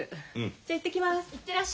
じゃあ行ってきます。